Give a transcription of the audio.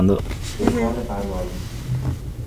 دکان قنادی